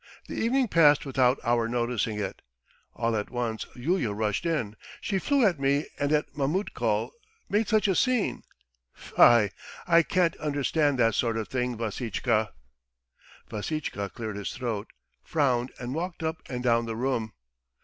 The evening passed without our noticing it. ... All at once Yulia rushed in. ... She flew at me and at Mametkul made such a scene ... fi! I can't understand that sort of thing, Vassitchka." Vassitchka cleared his throat, frowned, and walked up and down the room.